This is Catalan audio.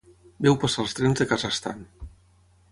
Veu passar els trens de casa estant.